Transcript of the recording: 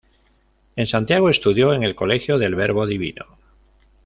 En Santiago estudió en el Colegio del Verbo Divino.